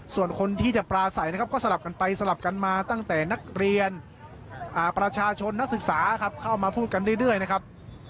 ส่วนคนที่จะปลาใสนะครับก็สลับกันไปสลับกันมาตั้งแต่นักเรียนประชาชนนักศึกษาครับเข้ามาพูดกันเรื่อยนะครับ